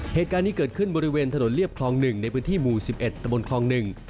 เหตุการณ์นี้เกิดขึ้นบริเวณถนนเรียบคลอง๑ในพื้นที่หมู่๑๑ตะบนคลอง๑